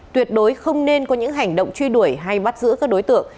tuyệt đối không nên có những hành động truy đuổi hay bắt giữ các đối tượng